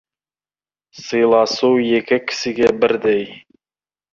Сыйласу екі кісіге бірдей.